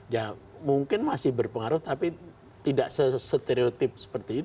ya mungkin masih berpengaruh tapi tidak setereotip seperti itu